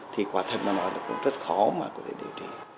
thì quả thật mà nói là cũng rất khó mà có thể điều trị